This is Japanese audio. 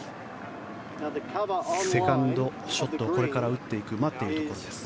セカンドショットこれから打っていく待っているところですね。